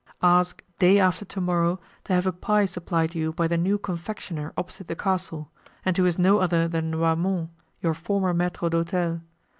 Ask day after to morrow to have a pie supplied you by the new confectioner opposite the castle, and who is no other than Noirmont, your former maitre d'hotel.